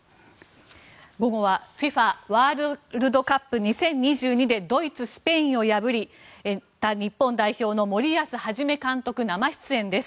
午後はＦＩＦＡワールドカップ２０２２でドイツ、スペインを破った日本代表の森保一監督生出演です。